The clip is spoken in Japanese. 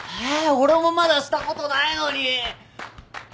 俺もまだしたことないのに！